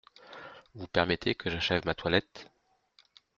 Vous permettez que j’achève ma toilette ?